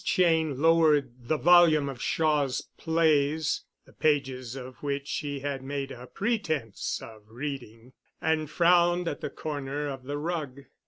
Cheyne lowered the volume of Shaw's plays, the pages of which she had made a pretence of reading, and frowned at the corner of the rug.